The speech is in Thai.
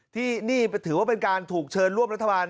ที่นี่ถือว่าเป็นการถูกเชิญร่วมรัฐบาล